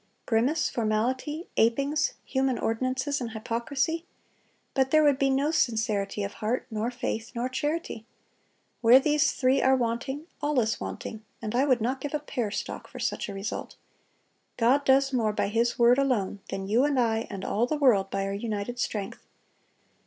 Grimace, formality, apings, human ordinances, and hypocrisy.... But there would be no sincerity of heart, nor faith, nor charity. Where these three are wanting, all is wanting, and I would not give a pear stalk for such a result.... God does more by His word alone than you and I and all the world by our united strength.